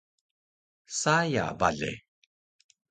Saya bale